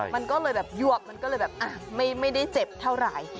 มันก็เลยแบบยวกมันก็เลยแบบไม่ได้เจ็บเท่าไหร่